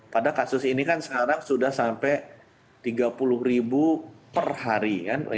pada kasus ini kan sekarang sudah sampai tiga puluh ribu per hari